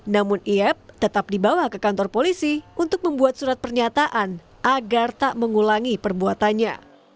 namun iep tetap dibawa ke kantor polisi untuk membuat surat pernyataan agar tak mengulangi perbuatannya